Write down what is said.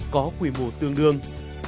có quy mô tương đương